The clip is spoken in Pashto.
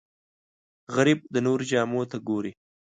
غریب د نورو جامو ته ګوري